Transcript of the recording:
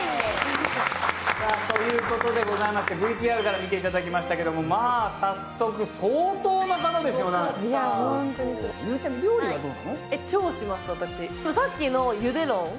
さあということでございましてＶＴＲから見ていただきましたけどまあ早速相当な方ですよねよかったゆうちゃみ料理はどうなの？